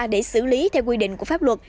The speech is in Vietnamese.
để xử lý theo quy định của pháp luật